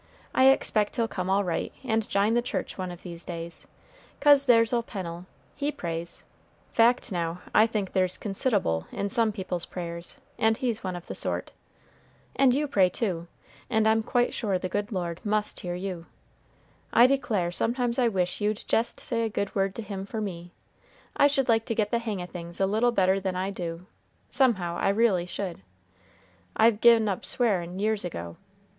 I expect he'll come all right, and jine the church one of these days; 'cause there's old Pennel, he prays, fact now, I think there's consid'able in some people's prayers, and he's one of the sort. And you pray, too; and I'm quite sure the good Lord must hear you. I declare sometimes I wish you'd jest say a good word to Him for me; I should like to get the hang o' things a little better than I do, somehow, I reely should. I've gi'n up swearing years ago.